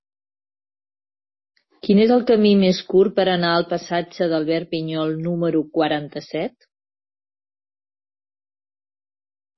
Quin és el camí més curt per anar al passatge d'Albert Pinyol número quaranta-set?